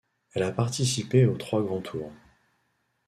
Elle a participé aux trois grands tours.